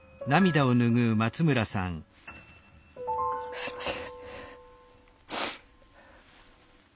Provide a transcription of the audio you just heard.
すいません。